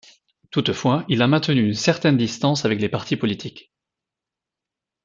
Toutefois, il a maintenu une certaine distance avec les partis politique.